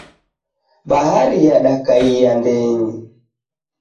Bahari yadakaia ndenyi.